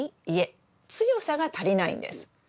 いえ強さが足りないんです。